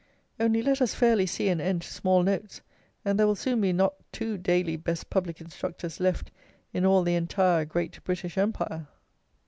Only let us fairly see an end to small notes, and there will soon be not two daily "best public instructors" left in all the "entire" great "British Empire."